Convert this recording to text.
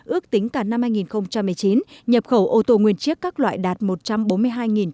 ước tính cả năm hai nghìn một mươi chín nhập khẩu ô tô nguyên chiếc các loại đạt một trăm bốn mươi hai tấn